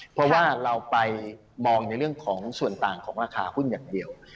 เพราะว่าเราไปมองในเรื่องของส่วนต่างของราคาหุ้นอย่างเดียว